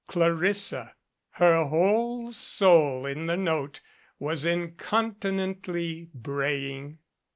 Clarissa, her whole soul in the note, was incontinently braying.